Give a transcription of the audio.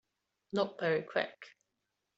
Not very Quick